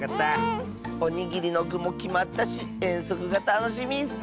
おにぎりのぐもきまったしえんそくがたのしみッス。